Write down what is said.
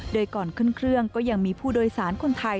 โดยก่อนขึ้นเครื่องก็ยังมีผู้โดยสารคนไทย